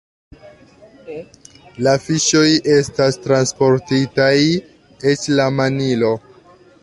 La fiŝoj estas transportitaj eĉ al Manilo.